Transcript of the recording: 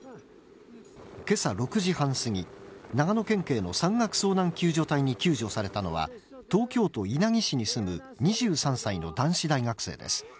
けさ６時半過ぎ、長野県警の山岳遭難救助隊に救助されたのは、東京都稲城市に住む２３歳の男子大学生です。